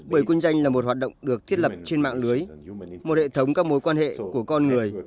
bởi quân danh là một hoạt động được thiết lập trên mạng lưới một hệ thống các mối quan hệ của con người